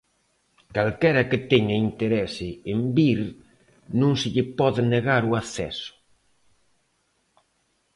Calquera que teña interese en vir non se lle pode negar o acceso.